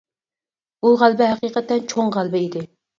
بۇ غەلىبە ھەقىقەتەن چوڭ غەلىبە ئىدى.